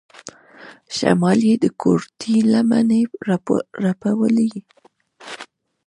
شمال يې د کورتۍ لمنې رپولې.